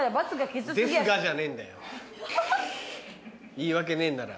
言い訳ねえんなら。